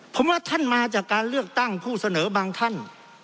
ผมว่าท่านมาจากการเลือกตั้งผู้เสนอบางท่าน